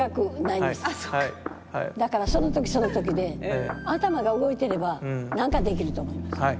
だからその時その時で頭が動いてれば何か出来ると思います。